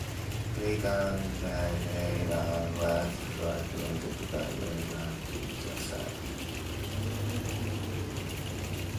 Brick arrived by rail and was transported by wagon to the site.